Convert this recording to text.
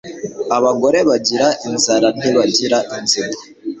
Abagore bagira inzara ntibagira inzigo